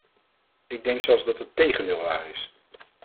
Ik denk zelfs dat het tegendeel waar is.